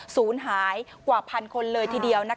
ศูนย์หายกว่าพันคนเลยทีเดียว